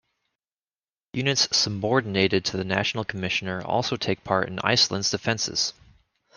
Units subordinated to the National Commissioner also take part in Iceland's defences.